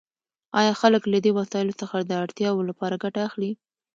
آیا خلک له دې وسایلو څخه د اړتیاوو لپاره ګټه اخلي؟